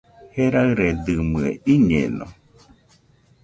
Jeraɨredɨmɨe, iñeno